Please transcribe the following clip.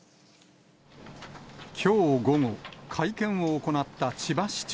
きょう午後、会見を行った千葉市長。